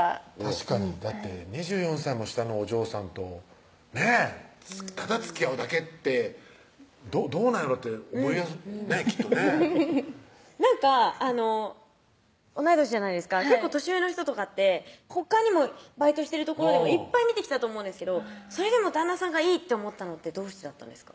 確かにだって２４歳も下のお嬢さんとねぇただつきあうだけってどうなんやろってきっとねぇなんか同い年じゃないですか結構年上の人とかってほかにもバイトしてる所でもいっぱい見てきたと思うんですけど旦那さんがいいって思ったのってどうしてだったんですか？